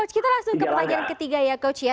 coach kita langsung ke pertanyaan ketiga ya coach ya